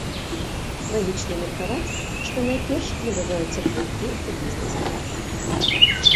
Лагічна меркаваць, што найперш набываюцца квіткі ў бізнес-клас.